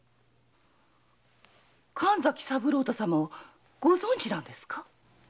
神崎三郎太様をご存じなんですか？